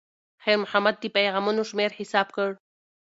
خیر محمد د پیغامونو شمېر حساب کړ.